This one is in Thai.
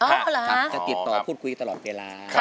อ๋อเหรอครับอ๋อครับจะติดต่อพูดคุยตลอดเวลา